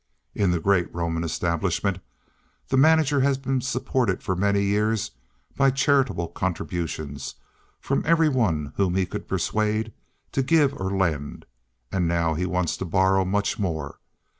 In the great Roman establishment the manager has been supported for many years by charitable contributions from every one whom he could persuade to give or lend, and now he wants to borrow much more.